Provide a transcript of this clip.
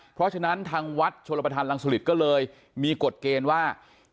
เพราะฉะนั้นทางวัดชนประธานรังสลิตก็เลยมีกฎเกณฑ์ว่า